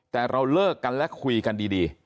แต่เราเลิกกันและคุยกันดี